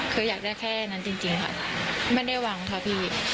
คืออยากได้แค่นั้นจริงค่ะไม่ได้หวังค่ะพี่